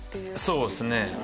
そうっすね。